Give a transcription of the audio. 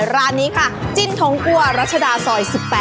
ร้านนี้ค่ะจิ้นทงกลัวรัชดาซอย๑๘